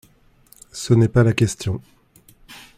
Ce n’est pas la question.